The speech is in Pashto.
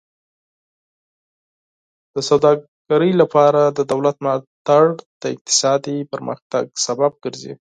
د سوداګرۍ لپاره د دولت ملاتړ د اقتصادي پرمختګ سبب ګرځي.